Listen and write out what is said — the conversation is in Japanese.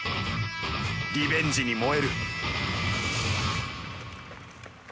リベンジに燃える。